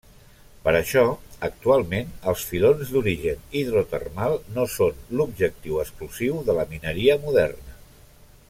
Per això, actualment els filons d'origen hidrotermal no són l'objectiu exclusiu de la mineria moderna.